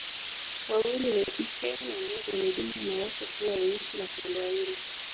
Wawili ni ike na mmoja ni dume na wote huwa weusi na kondoo wawili